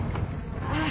ああ。